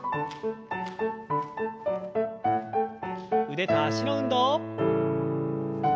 腕と脚の運動。